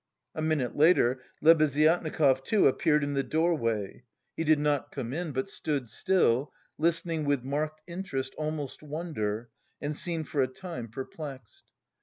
A minute later Lebeziatnikov, too, appeared in the doorway; he did not come in, but stood still, listening with marked interest, almost wonder, and seemed for a time perplexed.